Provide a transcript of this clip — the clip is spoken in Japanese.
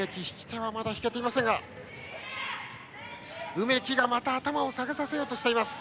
梅木がまた頭を下げさせようとしています。